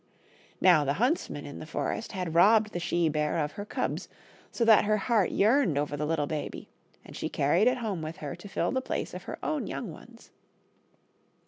Now the huntsmen in the forest had robbec' *he she bear of her cubs, so that her heart yearned over the little baby, and she carried it home with her to fill the place of her own young ones.